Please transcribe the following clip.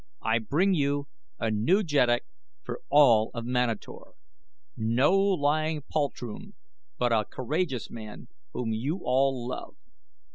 "I bring you a new jeddak for all of Manator. No lying poltroon, but a courageous man whom you all love."